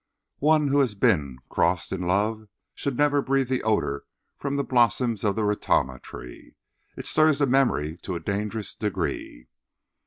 One who has been crossed in love should never breathe the odour from the blossoms of the ratama tree. It stirs the memory to a dangerous degree.